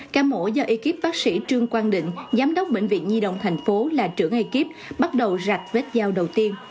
ca mổ do ekip bác sĩ trương quang định giám đốc bệnh viện nhi đồng tp hcm là trưởng ekip bắt đầu rạch vết dao đầu tiên